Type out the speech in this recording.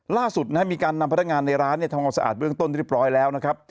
ล่าสุดมีการนำพนักงานในร้านทำความสะอาดเบื้องต้นเรียบร้อยแล้วนะครับ